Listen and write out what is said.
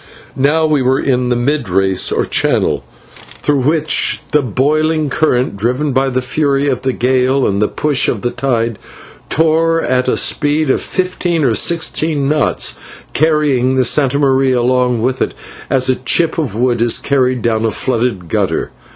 Now we were in the mid race or channel, through which the boiling current, driven by the fury of the gale and the push of the tide, tore at a speed of fifteen or sixteen knots, carrying the /Santa Maria/ along with it as a chip of wood is carried down a flooded gutter.